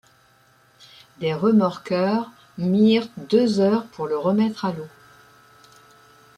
Des remorqueurs mirent deux heures pour le remettre à l'eau.